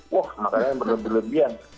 wah makanan yang berlebihan